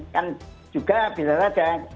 kan juga bisa saja